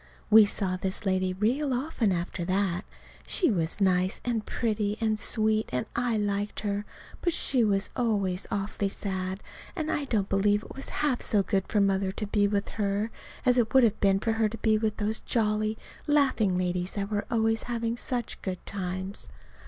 We saw this lady real often after that. She was nice and pretty and sweet, and I liked her; but she was always awfully sad, and I don't believe it was half so good for Mother to be with her as it would have been for her to be with those jolly, laughing ladies that were always having such good times.